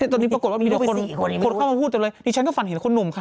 ตอนนี้ปรากฏว่ามีคนเข้ามาพูดจังเลยดิฉันก็ฝันเห็นคุณหนุ่มค่ะ